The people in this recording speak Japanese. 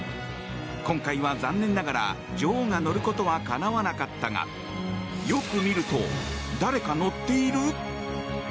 今回は残念ながら、女王が乗ることはかなわなかったがよく見ると、誰か乗っている？